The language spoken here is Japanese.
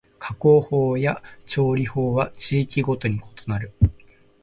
加工法や調理法は地域ごとに異なる